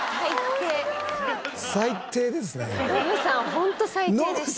ホント最低ですね。